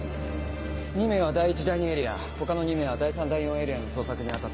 ２名は第１第２エリア他の２名は第３第４エリアの捜索に当たってください。